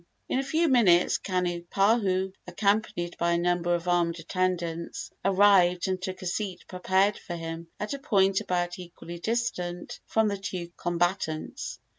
In a few minutes Kanipahu, accompanied by a number of armed attendants, arrived and took a seat prepared for him at a point about equally distant from the two combatants.